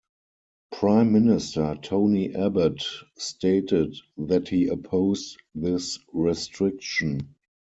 Prime Minister Tony Abbott stated that he opposed this restriction.